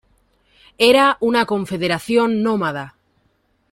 Era una confederación nómada.